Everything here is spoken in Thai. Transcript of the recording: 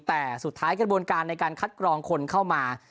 แต่สุดท้ายกระบวนการในการคัดกรองคนเข้ามา